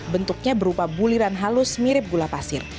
bentuknya berupa buliran halus mirip gula pasir